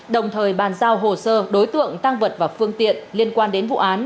đồng thời bàn giao hồ sơ đối tượng tăng vật và phương tiện liên quan đến vụ án